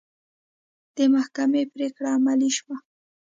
د محکمې پرېکړه عملي شوه.